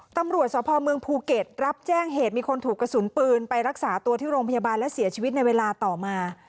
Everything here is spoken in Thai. ตำรวจสพเมืองภูเก็ตรับแจ้งเหตุมีคนถูกกระสุนปืนไปรักษาตัวที่โรงพยาบาลและเสียชีวิตในเวลาต่อมา